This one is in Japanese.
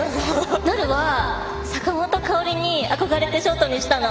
なるは坂本花織に憧れてショートにしたの。